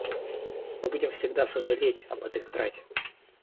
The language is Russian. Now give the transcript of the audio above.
Мы будем всегда сожалеть об этой утрате.